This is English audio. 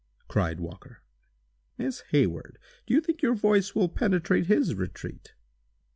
cried Walker. "Miss Hayward, do you think your voice will penetrate his retreat?"